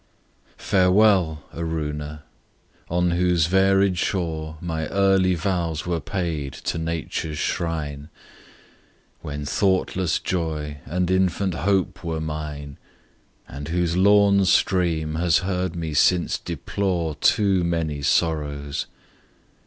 FAREWELL, Aruna! on whose varied shore My early vows were paid to Nature's shrine, When thoughtless joy, and infant hope were mine, And whose lorn stream has heard me since deplore Too many sorrows!